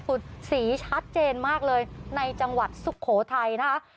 สีชัดเจนมากเลยในจังหวัดสุโขทัยนะคะ